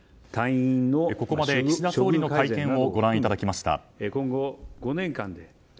ここまで岸田総理大臣の会見をご覧いただきました。